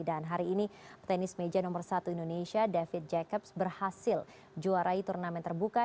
dan hari ini petenis meja nomor satu indonesia david jacobs berhasil juarai turnamen terbuka